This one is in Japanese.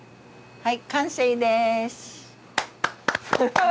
はい。